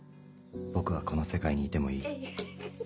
僕はこの世界にいてもいい。